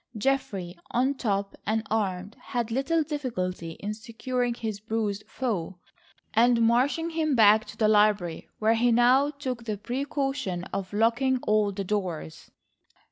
Geoffrey, on top and armed, had little difficulty in securing his bruised foe, and marching him back to the library where he now took the precaution of locking all the doors.